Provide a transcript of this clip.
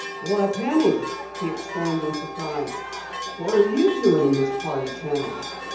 "Why, Penny!" he exclaimed in surprise. "What are you doing in this part of town?"